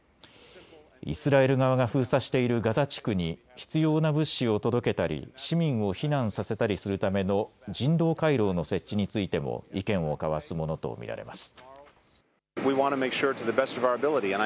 イスラエル側が封鎖しているガザ地区に必要な物資を届けたり市民を避難させたりするための人道回廊の設置についても意見を交わすものと見られます。